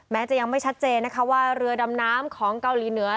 จะยังไม่ชัดเจนนะคะว่าเรือดำน้ำของเกาหลีเหนือ